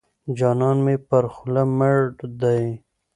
جانان مې پر خوله مړ دی.